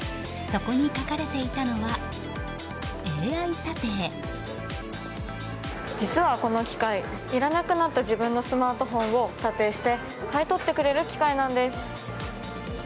そこに書かれていたのは実はこの機械いらなくなった自分のスマートフォンを査定して買い取ってくれる機械なんです。